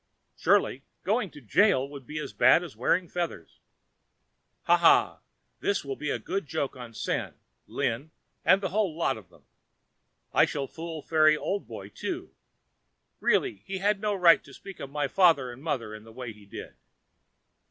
Surely going to jail would be as bad as wearing feathers. Ha, ha! This will be a good joke on Sen, Lin, and the whole lot of them. I shall fool Fairy Old Boy too. Really he had no right to speak of my father and mother in the way he did.